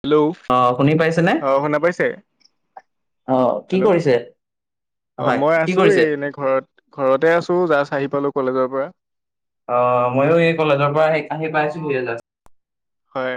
Hello, অ শুনি পাইছেনে? অঁ শুনা পাইছে? অ কি হেল্ল', কৰিছে? অ হয় মই কি আছো এই কৰিছে? এনে ঘৰত ঘৰতে আছো জাষ্ট আহি পালো কলেজৰ পৰা। অ, মইয়ো এই কলেজৰ পৰা আহি আহি পাইছোহিয়ে জাষ্ট। হয়,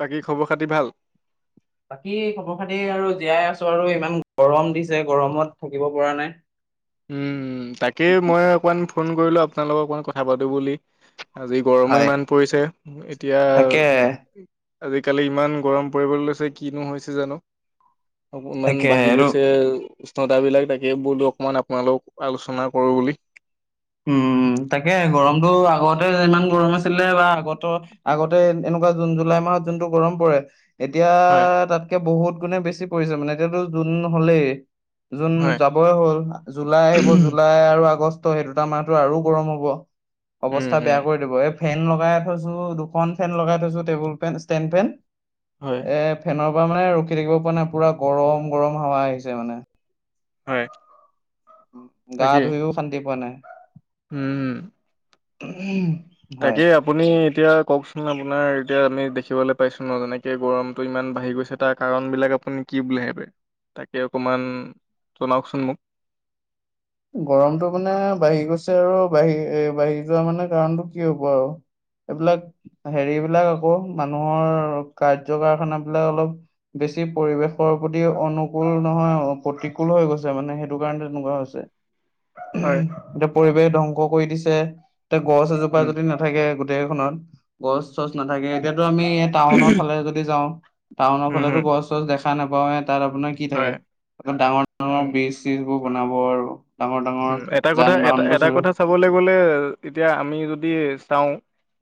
বাকী খবৰ-খাতি ভাল? বাকী খবৰ খাতি আৰু জীয়াই আছো আৰু ইমান গৰম দিছে গৰমত থাকিব পৰা নাই। উম, তাকেই মই অকমান ফোন কৰিলো আপোনাৰ লগত অকণমান কথা পাতো বুলি। আজি গৰমো হয়। ইমান পৰিছে এতিয়া তাকে আজিকালি ইমান গৰম পৰিবলৈ লৈছে কিনো হৈছে জানো? অকমান তাকে বাঢ়ি আৰু গৈছে উষ্ণতাবিলাক তাকে বোলো অকমান তোমাৰ লগত আলোচনা কৰোঁ বুলি। উম, তাকে গৰমটো আগতে যে ইমান গৰম আছিলে বা আগত আগতে এন এনেকুৱা জুন, জুলাই মাহত যোনটো গৰম পৰে এতিয়া হয় তাতকে বহুত গুণে বেছি পৰিছে মানে এতিয়াতো জুন হলেই। জুন হয় যাবই হ'ল আ জুলাই আহিব, উম জুলাই আৰু আগষ্ট সেইটো দুটা মাহতো আৰু গৰম হব, অৱস্থা হম বেয়া কৰি দিব এই ফেন লগাই থৈছো, দুখন ফেন লগাই থৈছো টেবুল ফেন ষ্টেণ্ড ফেন, হয় এ ফেনৰ পৰা মানে ৰখি থাকিব পৰা নাই পুৰা গৰম-গৰম হাৱা আহিছে মানে। হয়। গা তাকেই ধুইও শান্তি পোৱা নাই। উম। [unintelligible] তাকেই আপুনি এতিয়া কওকচোন আপোনাৰ এতিয়া আমি দেখিবলৈ পাইছোঁ ন' যেনেকে গৰমটো ইমান বাঢ়ি গৈছে। তাৰ কাৰণ বিলাক আপুনি কি বুলি ভাবে, তাকে অকমান জনাওকচোন মোক। গৰমটো মানে বাঢ়ি গৈছে আৰু বাঢ়ি এ বাঢ়ি যোৱা মানে কাৰণটো কি হব আৰু। এইবিলাক হেৰিবিলাক আকৌ মানুহৰ কাৰ্য কাৰখানা বিলাক অলপ বেছি পৰিৱেশৰ প্ৰতি অনুকুল নহয় আৰু প্ৰতিকূলো হৈ গৈছে মানে সেইটো কাৰণে তেনেকুৱা হৈছে। হয়। এতিয়া পৰিৱেশ ধ্বংস কৰি দিছে এতিয়া গছ এজোপা উম যদি নাথাকে গোটেইখনত। গছ-চছ নাথাকে এতিয়াতো আমি টাউনৰ ফালে যদি যাওঁ টাউনৰ হম ফালেটো হম গছ-চছ দেখ খা নাপাৱে তাত আপোনাৰ কি থাকে হয় ধৰ ডাঙৰ ডাঙৰ উম বীজ-চীজ বোৰ বনাব আৰু ডাঙৰ ডাঙৰ যান-বাহনবোৰ চলিব। চাবলে গ'লে এতিয়া আমি যদি চাওঁ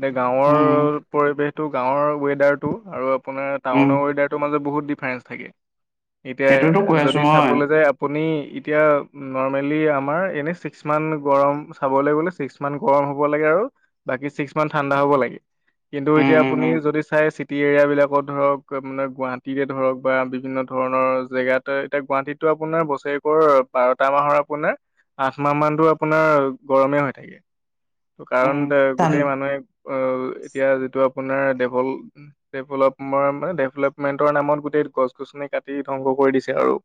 যে গাঁৱৰ উম পৰিৱেশটো গাঁৱৰ ৱেডাৰটো আৰু আপোনাৰ উম টাউনৰ ৱেডাৰটোৰ মাজত বহুত ডিফাৰেঞ্চ থাকে। এতিয়া সেইটোতো কৈ আছো যদি মই চাবলৈ যায় আপুনি এতিয়া নৰ্মেলি আমাৰ এনে ছিক্স মান গৰম চাবলৈ গ'লে ছিক্স মান গৰম হ'ব লাগে আৰু বাকী ছিক্স মান ঠাণ্ডা হ'ব লাগে কিন্তু উম এতিয়া উম আপুনি উম যদি চাই টী এৰিয়াবিলাকত ধৰক মানে গুৱাহাটীকে ধৰক বা বিভিন্ন ধৰণৰ জেগাত টো এতিয়া গুৱাহাটীতো আপোনাৰ বছেৰেকৰ বাৰটা মাহৰ আপোনাৰ আঠ মাহ মানটো আপোনাৰ গৰমে হৈ থাকে। কাৰণ উম তাৰ ধান গোটেই মানুহে অ', এতিয়া যিটো আপোনাৰ ডেভল ডেভলপমৰ মানে ডেভলেপমেণ্টৰ নামত গোটেই গছ-গছনি কাটি ধ্বংস কৰি দিছে আৰু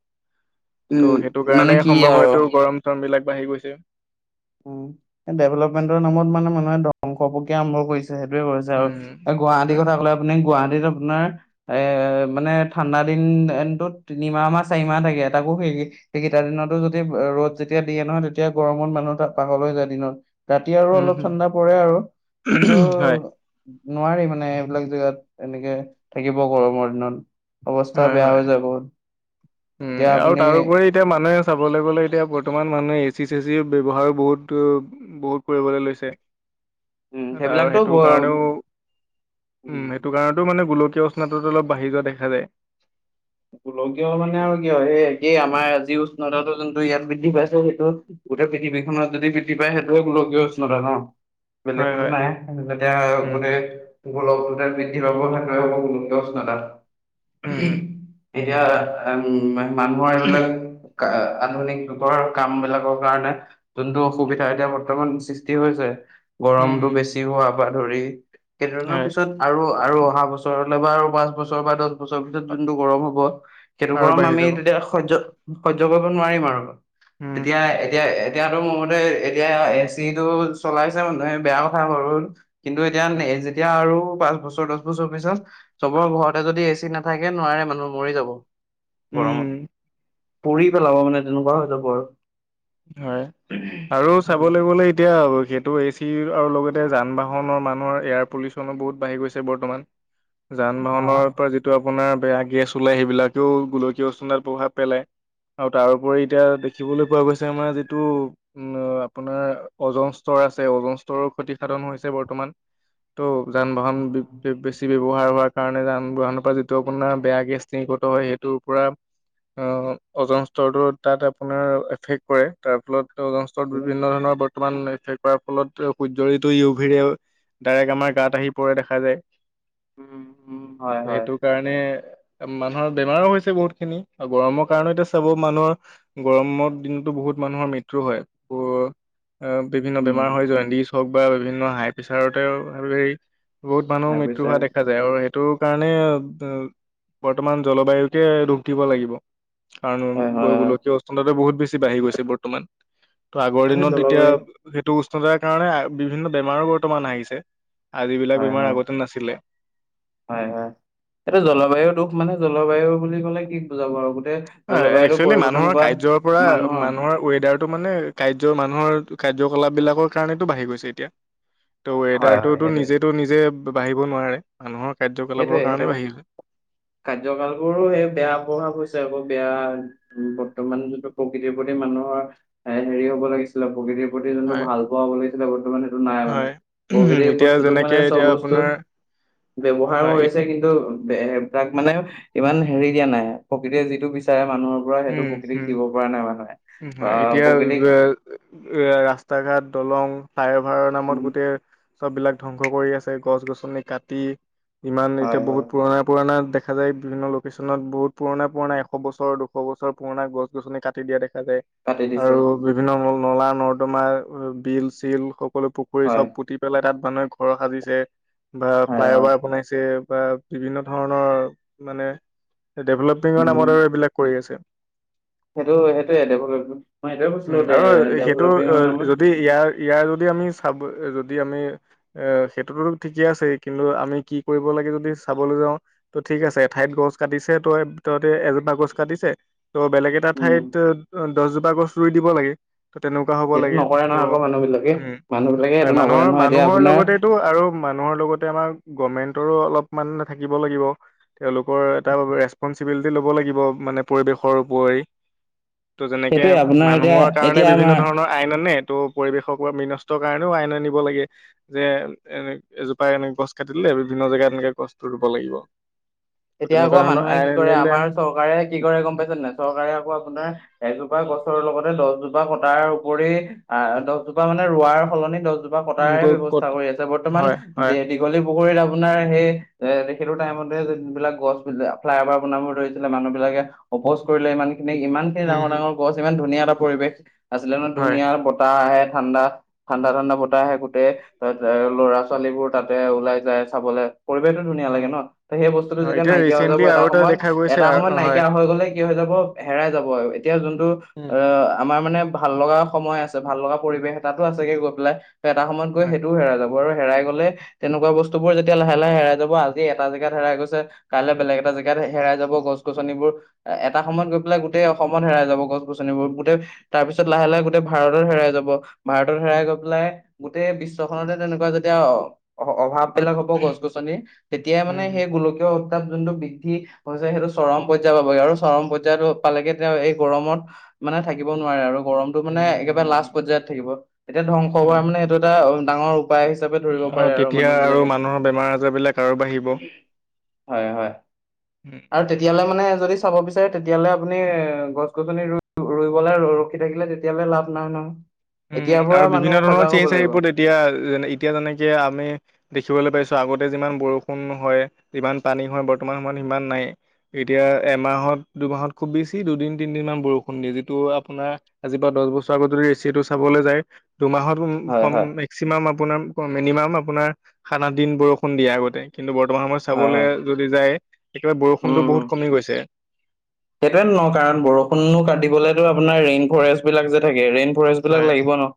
টো উম সেইটো মানে কাৰণে কি সম্ভৱ আৰু হয়টো গৰম চৰম বিলাক বাঢ়ি গৈছে। উম এ, ডেভেলপমেন্টৰ নামত মানে মানুহে ধ্বংস প্ৰক্ৰিয়া আৰম্ভ কৰিছে। সেইটোৱে কৰিছে আৰু, উম আৰু গুৱাহাটীৰ হয় কথা ক'লে আপুনি গুৱাহাটীত আপোনাৰ এ, মানে ঠাণ্ডা দিনটোত তিনিমাহ বা চাৰিমাহ থাকে তাকো সে সেইকেইটা দিনতো যদি ৰ'দ যেতিয়া দিয়ে নহয় তেতিয়া গৰমত মানুহ টা পাহৰলৈ যায় দিনত ৰাতি আৰু উম অলপ হম ঠাণ্ডা পৰে আৰু কিন্তু হয় নোৱাৰি মানে এইবিলাক জেগাত এনেকে থাকিব গৰমৰ দিনত। অৱস্থা হয় বেয়া হয় হৈ যাব, উম এতিয়া আৰু আপুনি তাৰোপৰি এতিয়া মানুহে চাবলৈ গ'লে এতিয়া বৰ্তমান মানুহে এচি-চেচিৰ ব্যৱহাৰো বহুত বহুত কৰিবলৈ লৈছে উম টো তাৰ সেইবিলাকতো সেইটো কাৰণেও উম, উ এইটো কাৰণতো মানে গোলকীয় উষ্ণতাটো অলপ বাঢ়ি যোৱা দেখা যায়। গোলকীয় মানে আৰু কি হয় সেই একেই আমাৰ আজিও উষ্ণতাটো যেন টো ইয়াত বৃদ্ধি পাইছে সেইটো গোটেই পৃথিৱীখনত যদি বৃদ্ধি পায় সেইটোৱে গোলকীয় উষ্ণতা ন? হয় বেলেগটো হয় নাহে? যেতিয়া উম মানে গোলকৰ উতাপ বৃদ্ধি পাব তাকে হ'ব গোলকীয় উষ্ণতা। উম উম এতিয়া আউম মা মানুহৰ এইবিলাক [unintelligible] আধুিনক যুগৰ কাম বিলাকৰ কাৰণে যোনটো অসুবিধা এতিয়া বৰ্তমান সৃষ্টি হৈছে উম গৰমতটো হুম। বেছি হোৱা পা ধৰি কেইদিনমানৰ হয় পিছত আৰু, আৰু অহা বছৰলৈ বা আৰু পাঁচ বছৰ বা দহ বছৰৰ ভিতৰত যোনটো গৰম হ'ব সেইটো আৰু গৰম বাঢ়ি আমি যাব তেতিয়া সহ্য, সহ্য কৰিব নোৱাৰিম আৰু। উম তেতিয়া এতিয়া এ এতিয়াতো মোৰ মতে এতিয়া এ চিটো চলাইছে মানুহে বেয়া কথা হ'ল। কিন্তু এতিয়া হয়। যেতিয়া আৰু পাঁচ বছৰ, দহ- প বছৰ পিছত চবৰ ঘৰতে যদি এ চি নাথাকে নোৱাৰে মানুহ মৰি যাব। গৰমত উম পুৰি পেলাব মানে তেনেকুৱা হৈ থ ব আৰু হয় আৰু চাব লিবলে এতিয়া সেইটো এজ খিৰ আৰু লগতে যান বাহনৰ মানুহৰ এয়াৰ পলিচনো বহুত বাঢ়ি গৈছে বৰ্তমান। যান বাহনৰ পৰা যিটো আপোনাৰ বেয়া গেছ ওলাই সেইবিলাকেও গোলকীয় পেলায়। আৰু তাৰোপৰি এতিয়া দেখিবলৈ পোৱা গৈছে আানাৰ যিটো উম, আপোনাৰ অওজন স্তৰ আছে অওজন স্তৰৰ ক্ষতিসাধন হৈছে বৰ্তমান। ত' যান বাহন বে-বেছি হোৱাৰ কাৰণে বাহনৰ পৰা যিটো আপোনাৰ বেয়া গেছ নিগত হয় সেইটোৰ পৰা অ' অজন স্তৰটো তাত আপোনাৰ এফেক্ট পৰে তাৰ ফলত অস্ৰত বিভিন্ন ধৰণৰ বৰ্তমানফে কৰাৰ ফলত সূৰ্য্যৰিটো ইউ ভৰে ডাইৰেক্ট আমাৰ গাত আহি পৰে দেখা যায় উম উম, হয় হয় সেইটো কাৰণে মানুহৰ বেমাৰো হৈছে বহুত খিনি আৰু গৰমৰ এতিয়া চাব গৰমৰ দিন ত' বহুত মানুহৰ মৃত্যু হয় ব বিভিন্ন এ উম বেমাৰ হয় জ হওক বা বিভিন্ন হাই প্ৰেচাৰতেও হেৰি বহুত মানুহো মৃত্যু হোৱা হাইপ্ৰেচাৰ দেখা যায়। আৰু সেইটো কাৰণে বৰ্তমান জলবায়ুকে দুখ দিব লাগিব। কাৰণ হয় হয় হয় গোলকীয় অস্থ বহুত বেছি বাঢ়ি গৈছে বৰ্তমান। ত' আগৰ মানে দিনত জলবায়ু তেতিয়া সেইটো উষ্ণতাৰ কাৰণে বিভিন্ন বেমাৰো বৰ্তমান আহিছে আৰু যিবিলাক হয় বেমাৰ হয় আগতে নাছিলে। হয়, হয় এইটো জলবায়ুৰ দুখ মানে জলবায়ু বুলি কলে কি বুজাব আৰু গোটেই অ' জলবায়ুটো একচুৱেলি পৰিৱৰ্তন মানুহৰ কৰাত কাৰ্যৰ পৰা মানুহৰ ৱেডাৰ টো মানে কাৰ্যৰ মানুহৰ কাৰ্য্যকলাপ বিলাকৰ কাৰণেতটো বাঢ়ি গৈছে এতিয়া। ত হয় হয় ৱেডাৰটোতো সেইটোৱে নিজেতো, নিজে বাঢ়িব নোৱাৰে মানুহৰ কাৰ্য্যকলাপৰ কাৰণে বাঢ়িল। কাৰ্য্যকালবোৰো সেই বেয়া প্ৰভাৱ হৈছে আকৌ বেয়া উম, বৰ্তমান যোনটো প্ৰকৃতিৰ প্ৰতি মানুহৰ হেৰি হব লাগিছে। ছিল প্ৰকৃতিৰ প্ৰতি যোনটো হয় ভাল পোৱা লাগিছিলে বৰ্তমান সেইটো নাই মানে। হয় উম, প্ৰকৃতিৰ এতিয়া বস্তুটোক যেনেকে মানে চব এতিয়া বস্তু আপোনাৰ ব্যৱহাৰ হয় কৰিছে কিন্তু তাক মানে ইমান হেৰি দিয়া নাই প্ৰকৃতিয়ে যিটো বিচাৰে মানুহৰ ৰা সেইটো উম প্ৰকৃতিক হম দিব পৰা নাই মানুহে উম, বা হয়, এতিয়া প্ৰকৃতিক এ, এ ৰাস্তা ঘাট দলং ফ্লাইঅভাৰৰ নামত উম, গোটেই চব বিলাক ধ্বংস কৰি আছে গছ-গছনি কাটি ইমান হয় এতিয়া হয় বহুত পুৰণা, পুৰণা দেখা দেখা যায় বিভিন্ন লোকেশ্যনত বহুত পুৰণা, পুৰণা এশ বছৰৰ দুখ শবছৰ পুৰণা গছ-গছনি কাটি দিয়া দেখা যায় কাটি দিছে আৰু বিভিন্ন ন নলা-নৰ্দমা বিল চিল সকলো পুখুৰী হয় চব পুতি পেলাই তাত মানুহে ঘৰ সাজিছে বা হয় ফ্লাই হয় অভাৰ বনাইছে বা বিভিন্ন ধৰণৰ মানে ডেভলপমিঙৰ নামৰ উম দৰে এইবিলাক কৰি আছে। সেইটো, সেইটোয়ে ডেভলপিং মই সেইটোৱে কৈছিলো উম আৰু সেইটো ডেভেলপিঙৰ আহ, নামত যদি ইয়াৰ, ইয়াৰ যদি আমি চাব যদি আমি এ সেইটোতো ঠিকে আছে কিন্তু আমি কি কৰিব লাগে যদি চাবলৈ যাওঁ। ত' ঠিক আছে এঠাইত গছ কাটিছে তই তহঁতে এজোপা গছ কাটিছে ত' বেলেগ এটা উম ঠাইত ত অ দহজোপা গছ ৰুই দিব লাগে। ত তেনেকুৱা হ'ব সেইটো লাগে নকৰে ত' নহয় আকৌ মানুহ বিলাকে উম মানুহ বিলাকে হয় সেইটো নকৰে মানুহৰ নহয় এতিয়া মানুহৰ আপোনাৰ লগতেটো আৰু মানুহৰ লগতে আমাৰ গভমেন্টৰো অলপমান থাকিব লাগিব। তেওঁলোকৰ এটা বে ৰেচপনচিবিলিটি ল'ব লাগিব মানে পৰিৱেশৰ উপৰি। ট তেনেকে সেইটোয়ে আপোনাৰ এতিয়া মানুহৰ কাৰণে এতিয়া বিভিন্ন আমাৰ ধৰণৰ আইন আনে ট পৰিৱেশক বা মিনষ্টৰ কাৰণেও আইন আনিব লাগে। যে এনে এজোপা এনে গছ কাট দিলে বিভিন্ন জেগাত এনেকে গছতটো ৰুব লাগিব। ত' তেতিয়া আকৌ তেনেকুৱা ধৰণৰ মানুহে কি আইন কৰে আনিলে আমাৰ চৰকাৰে কি কৰে গম পাইছে নাই চৰকাৰে আকৌ আপোনাৰ এজোপা গছৰ লগতে দচজোপা কটাৰ উপৰি আ দচজোপা মানে ৰোৱাৰ সলনি দচজোপা কটাৰে ব্যৱস্থা ক'ত কৰি আছে বৰ্তমান হয় হয় দে দি ঘলি পুখুৰীত আপোনাৰ সেই এ সেইটো টাইমতে যে যুনবিলাক গছ বি ফ্লাই অভাৰ বনাব ধৰিছিলে মানুহ বিলাকে অপ'জ কৰিলে ইমান খিনি ইমান খিনি উম ডাঙৰ হম ডাঙৰ গছ ইমান ধুনীয়া এটা পৰিৱেশ আছিলে ন হয় ধুনীয়া বতাহ আহে ঠাণ্ডাত ঠাণ্ডা ঠাণ্ডা বতাহ আহে গোতেই ত এ ল'ৰা ছোৱালীবোৰ তাতে ওলাই যায় চাবলে। পৰিৱেশটো ধুনীয়া লাগে উম ন ত সেই বস্তুটো হয় যেতিয়া এতিয়া নাইকিয়া হৈ যাব ৰিচেন্টলি আৰু এটাৰ এটা সময়ত। দেখা গৈছে এটা সময়ত হয় নাইকিয়া হৈ গলে কি হৈ যাব হেৰাই যাব অ এতিয়া যোনটো উম অ অ আমাৰ মানে ভাল লগা সময় আছে ভাল লগা পৰিৱেশ তাতো আছেগে গৈ পেলাই এটা সময়ত গৈ হয় সেইটোও হেৰাই যা বৰ হেৰাই গলে তেনেকুৱা বস্তু বোৰ যেতিয়া লাহে লাহে হেৰাই যাব আজি এটা জেগাত হেৰাই গৈছে কাইলে বেলেগ এটা জেগাত হে হেৰাই যাব গছ গছনিবোৰ এ এটা সময়ত গৈ পেলাই গোটেই অসমত হেৰাই যাব গছ গছনিবোৰ গোটেই তাৰপিছত লাহে লাহে গোটেই ভাৰতৰ হেৰাই যাব ভাৰতত হেৰাই উম গৈ পেলাই গোটেই বিশ্বখনতে তেনেকুৱা যেতিয়া অ অভাৱ বিলাক হ'ব গছ গছনি তেতিয়াই মানে উম হম সেই গোলকীয় উত্তাপ যোনটো বৃদ্ধি গছে সেইটো চৰম পৰ্যায় পাবগ আৰু চৰম পৰ্যায়টো পালেগে তেওঁ এই গৰমত মানে থাকিব নোৱাৰে আৰু গৰম টো মানে উম হম একেবাই লাষ্ট হম পৰ্যায়ত থাকিব তেতিয়া ধ্বংস কৰা হয় মানে সেইটো এটা অ ডাঙৰ উপায় হিচাপে ধৰিব পাৰে আৰু তেতিয়া মানুহ বিলাকে মানুহৰ বেমাৰ আজাৰ বিলাক আৰু বাঢ়িব হয় হয় হু আৰু তেতিয়ালে মানে যদি চাব বিচাৰে তেতিয়াহ'লে আপুনি গছ গছনি ৰুই ৰুইবলৈ ৰ ৰখি থাকিলে তিয়ালে লাভ নাই নহয় উম হু এতিয়াৰ পৰা আৰু মানুহ বিভিন্ন ধৰণৰ সজাগ হ'ব চেচ লাগিব। তেতিয়া যে এতিয়া যেনেকে আমি দেখিবলৈ পাইছো আগতে যিমান বৰষুণ হয় যিমান পানী হয় বৰ্তমান সময়ত সিমান নাই এতিয়া এমাহত দুমাহত খুব বেছি দুদিন তিনিদিনমান বৰষুণ দিয়ে যিটো আপোনাৰ আজিৰ পা দছ বছৰ আগত যদি এছিয়াটো চাবলৈ যায় দুমাহত উ হয় কম হয় এ চিমাম আপোনাম অ মিনিমাম আপোনাৰ সাত আঠ দিন বৰষুণ দিয়ে আগতে কিন্তু বৰ্তমান সময়ত হয় চাবলে হয় যদি যায় একেবাই বৰষুণতো বহুত কমি গৈছে হেটোৱেন ন কাৰণ বৰষুণো কাটিবলেতো আপোনাৰ ৰেইন ফৰেষ্ট বিলাক যে থাকে ৰেইন ফৰেষ্টবলাক হয় লাগিব ন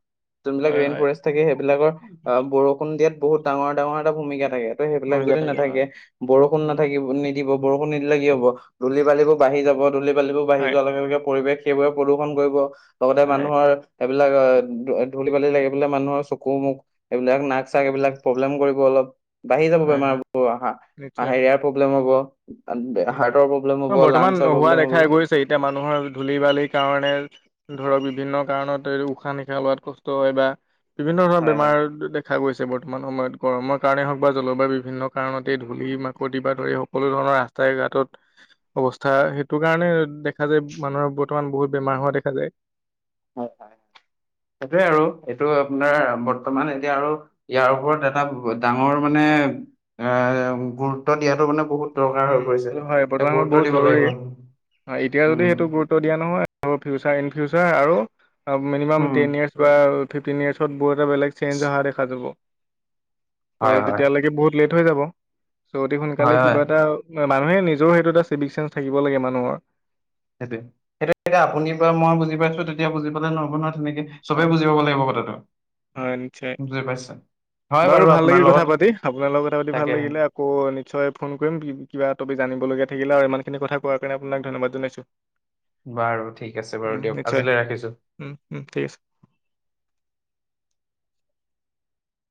যোনবিলাক হয় ৰেইন হয় ফৰেষ্ট থাকে সেইবিলাকৰ অ বৰষুণ দিয়াত বহুত ডাঙৰ ডাঙৰ এটা ভূমিকা থাকে ত' সেইবিলাক ভূমিকা যদি থাকে হয় নাথাকে বৰষুণ উম, নাথাকিব নি দিব বৰষুণ নিদিলে কি হ'ব ধুলি বালিবোৰ বাঢ়ি যাব ধুলি বালিবোৰ বাঢ়ি হয় যোৱাৰ লগে লগে পৰিৱেশ সেইবোৰে প্ৰদূষন কৰিব লগতে হয় মানুহৰ এইবিলাক আ ধ ধূলি বালি লাগি পেলে মানুহৰ চকু মুখ এইবিলাক নাক চাক এইবিলাক উম, প্ৰব্লেম কৰিব অলপ বাঢ়ি যাব হয় হয় বেমাবোৰ অহা নিশ্চয় আহাৰিয়াৰ প্ৰব্লেম হব হাৰ্টৰ পব্লেম হব লাঞ্চ, নোহোৱা দেখাই গৈছে এতিয়া মানুহৰ ধূলি বালিৰ কাৰণে, ধৰক বিভিন্ন কাৰণত উশাহ নিশাহ লোৱাত কষ্ট হয় বা বিভিন্ন ধৰণৰ হয় হয় বেমাৰ দেখা গৈছে বৰ্তমান সময়ত গৰমৰ কাৰণেই হওক বা জলবায়ু বিভিন্ন কাৰণতে ধূলি মাকতি বা ধৰি সকলো ধৰণৰ ৰাস্তা, তাই গা টোত, অৱস্থা সেইটো কাৰণে দেখা যায় মানুহৰ বৰ্তমান বহুত বেমাৰ হোৱা দেখা যায়। [inaudible] সেইটোৱে আৰু এইটো আপোনাৰ বৰ্তমান এতিয়া আৰু ইয়াৰ ওপৰত এটা ডাঙৰ মানে এ গুৰুত্ব দিয়াতটো মানে বহুত, দৰকাৰ উম হৈ পৰিছে আৰু হয় এ বৰ্তমান সময় গুৰুত্ব বহুত দিব জৰুৰী লাগিব উম এতিয়া যদি সেইটো গ, ত দিয়া নহয় আৰু ফিওচাৰ ইনফিওচাৰ আৰু মিনিমাম উম তেন ইয়েচ বা ফিফটিন ইয়েচ, ত বহুত এটা বেলেগ চেঞ্জ অহা দেখা যাব ত হয় হয় তেতিয়ালৈকে বহুত লেট হৈ যাব। চ অতি হয় সোনকালে হয় কিবা এটা মানুহে নিজৰ সেইটো এটা চিভিক চেন্স থাকিব লাগে মানুহৰ, সেইটোয়ে ইটোয়া আপুনি পৰা মই বুজি পাইছো তেতিয়া বুজি পালে নহ'ব নহয় তেনেকে, চবে হয় বুজি পাব লাগিব কথাটো হয় নিশ্চয় বুজি পাইছা। বাৰু ভাল লাগিল কথা পাতি আপোনাল লগত কথা পাতি ভাল তাকে লাগিলে, আকৌ নিশ্চয় ফোন কৰিম কিবা তপ জানিবলগীয়া থাকিলে আৰু ইমান খিনি কথা কোৱাৰ কাৰণে আপোনাক ধন্যবাদ জনাইছো। বাৰু ঠিক আছে বাৰু দিয়ক আজিলৈ ৰাখিছো। উম উম ঠিক আছে।